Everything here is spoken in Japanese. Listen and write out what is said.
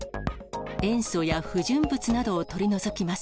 塩素や不純物などを取り除きます。